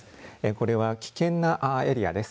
これは危険なエリアです。